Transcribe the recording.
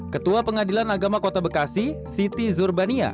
ketua pengadilan agama kota bekasi siti zurbania